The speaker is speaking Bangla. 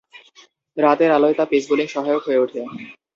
রাতের আলোয় তা পেস বোলিং সহায়ক হয়ে উঠে।